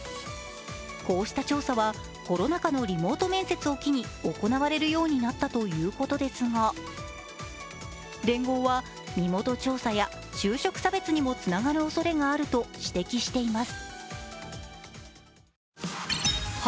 こうした調査はコロナ禍のリモート面接を機に行われるようになったということですが、連合は身元調査や就職差別にもつながるおそれがあると指摘しています。